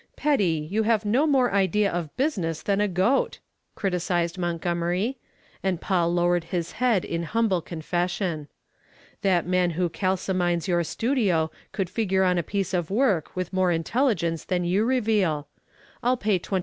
"Petty, you have no more idea of business than a goat," criticised Montgomery, and Paul lowered his head in humble confession. "That man who calcimines your studio could figure on a piece of work with more intelligence than you reveal. I'll pay $2,500.